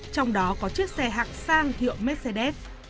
trong đó có chiếc xe hạng sang hiệu mercedes